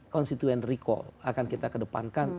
constituent recall akan kita kedepankan